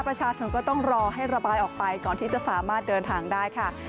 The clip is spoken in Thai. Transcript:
ประชาชนก็ต้องรอให้ระบายออกไปก่อนที่จะสามารถเดินทางได้ค่ะ